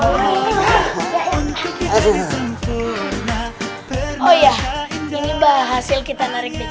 oh iya ini ba hasil kita narik beca